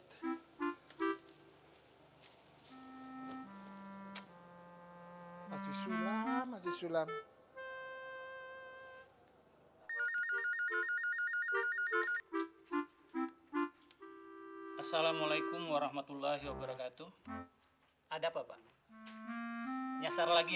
hai hai hai haji sulam haji sulam assalamualaikum warahmatullahi wabarakatuh ada papa nyasar lagi